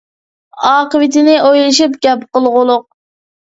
ئاقىۋىتىنى ئويلىشىپ گەپ قىلغۇلۇق!